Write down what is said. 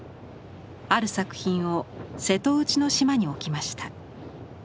ある作品を瀬戸内の島に置きました。